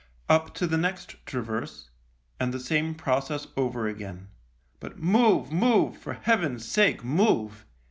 Up to the next traverse, and the same process over again ; but " Move, move, for Heaven's sake move